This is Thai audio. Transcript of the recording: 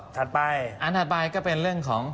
ถัดไปอันถัดไปก็เป็นเรื่องของ